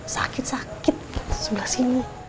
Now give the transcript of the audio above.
sakit sakit sebelah sini